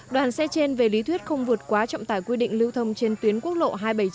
đoàn xe trên về lý thuyết không vượt quá trọng tải quy định lưu thông trên tuyến quốc lộ hai trăm bảy mươi chín